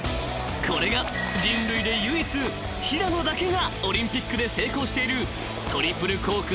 ［これが人類で唯一平野だけがオリンピックで成功している］